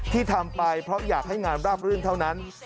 ที่ทำไปเพราะอยากให้งานราบรื่นเท่านั้น